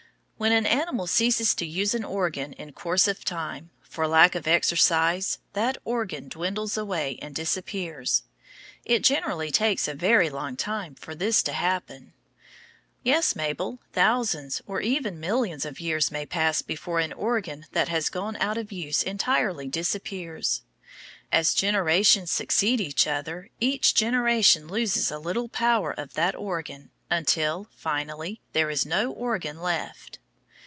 When an animal ceases to use an organ in course of time, for lack of exercise, that organ dwindles away and disappears. It generally takes a very long time for this to happen. Yes, Mabel, thousands or even millions of years may pass before an organ that has gone out of use entirely disappears. As generations succeed each other each generation loses a little power in that organ until, finally, there is no organ left.